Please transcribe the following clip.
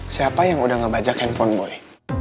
siapa yang udah ngebajak handphone boleh